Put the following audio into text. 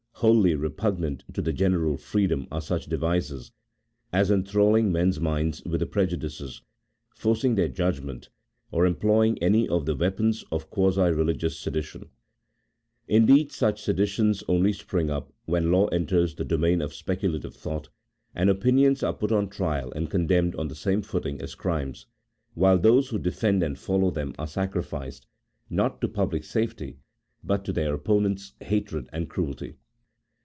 Wholly repugnant to the general freedom are such devices as enthralling men's minds with preju dices, forcing their judgment, or employing any of the weapons of quasi religious sedition ; indeed, such seditions only spring up, when law enters the domain of speculative thought, and opinions are put on trial and condemned on the same footing as crimes, while those who defend and follow them are sacrificed, not to public safety, but to their 6 A THEOLOGICO POLITICAL TREATISE. opponents' hatred and cruelty.